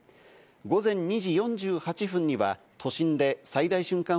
午前２時４８分には都心で最大瞬間